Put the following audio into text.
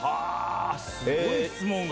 すごい質問が。